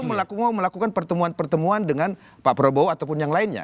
karena belum mau melakukan pertemuan pertemuan dengan pak prabowo ataupun yang lainnya